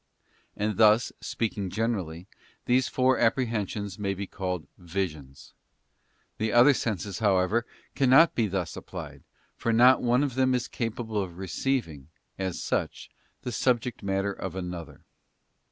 And thus, speaking generally, these four apprehensions may be called visions. The other senses, however, cannot be thus applied, for not one of them is capable of receiving, as such, the subject matter of another.